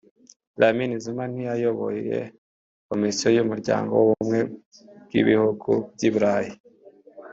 Dlamini Zuma ntiyayoboye commision y’umuryango w’ubumwe bw’ibihugu by’iburayi